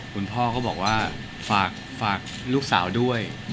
คุณพ่อก็บอกว่าฝากลูกสาวด้วย